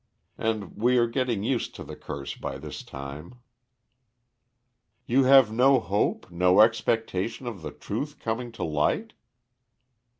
And we are getting used to the curse by this time." "You have no hope, no expectation of the truth coming to light?"